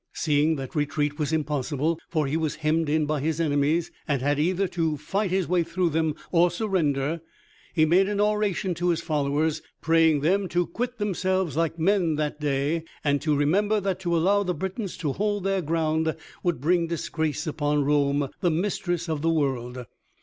Seeing that retreat was impossible for he was hemmed in by his enemies, and had either to fight his way through them or surrender he made an oration to his followers, praying them to quit themselves like men that day, and to remember that to allow the Britons to hold their ground would bring disgrace upon Rome, the mistress of the world.